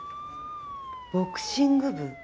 「ボクシング部」？